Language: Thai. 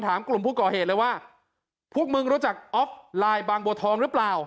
กลุ่มผู้ก่อเหตุเลยว่าพวกมึงรู้จักออฟไลน์บางบัวทองหรือเปล่า